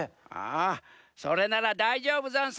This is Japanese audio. あそれならだいじょうぶざんす。